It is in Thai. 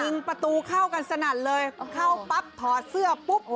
ประตูเข้ากันสนั่นเลยเข้าปั๊บถอดเสื้อปุ๊บ